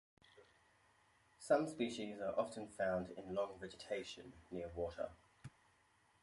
Some species are often found in long vegetation near water.